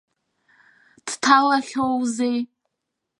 Дҭалахьоузеи.